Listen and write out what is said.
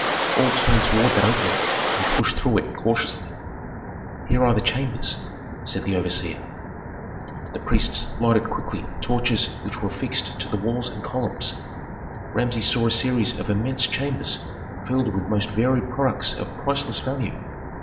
All turned toward that opening and pushed through it cautiously. "Here are the chambers," said the overseer. The priests lighted quickly torches which were fixed to the walls and columns. Rameses saw a series of immense chambers filled with most varied products of priceless value.